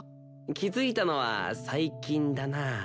気づいたのは最近だな。